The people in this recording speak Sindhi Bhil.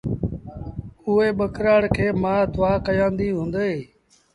اُئي ٻڪرآڙ کي مآ دئآ ڪيآنديٚ هُݩدي۔